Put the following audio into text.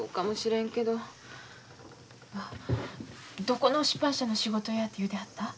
どこの出版社の仕事やて言うてはった？